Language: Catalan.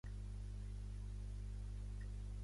Somers està enterrat a Trípoli, Líbia.